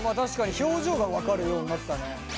表情が分かるようになったね。